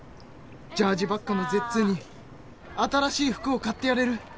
ジャージばっかの絶弐に新しい服を買ってやれる。